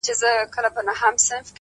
• چي يې غړي تښتول د رستمانو,